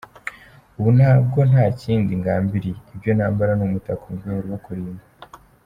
Ubu nabwo nta kindi ngambiriye, ibyo nambara ni umutako mu rwego rwo kurimba.